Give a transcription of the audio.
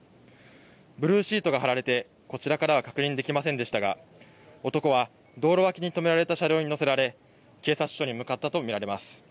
ブルーシートがはられてこちらからは確認できませんでしたが男は道路脇に止められた車両に乗せられ警察署に向かったとみられます。